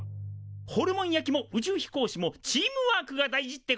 ホルモン焼きも宇宙飛行士もチームワークが大事ってことだ。